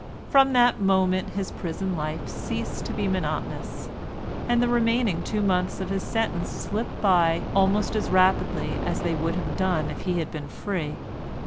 From that moment his prison life ceased to be monotonous, and the remaining two months of his sentence slipped by almost as rapidly as they would have done if he had been free.